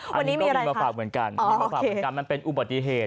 วันนี้มีอะไรค่ะอ๋อโอเคมันเป็นอุบัติเหตุ